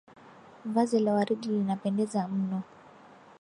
Vazi la Waridi linapendeza mno.